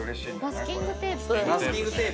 マスキングテープね。